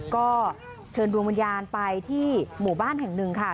ก็เชิญดวงวิญญาณไปที่หมู่บ้านแห่งหนึ่งค่ะ